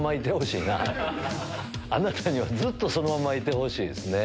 あなたにはずっとそのままいてほしいですね。